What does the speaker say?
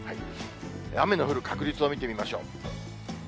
雨の降る確率を見てみましょう。